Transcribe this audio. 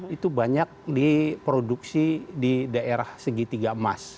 itu banyak diproduksi di daerah segitiga emas